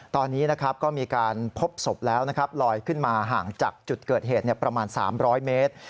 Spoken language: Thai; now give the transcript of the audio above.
ตอนนี้นะครับก็มีการพบศพแล้วนะครับลอยขึ้นมาห่างจากจุดเกิดเหตุประมาณ๓๐๐เมตร